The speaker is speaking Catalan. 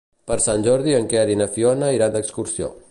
Per Sant Jordi en Quer i na Fiona iran d'excursió.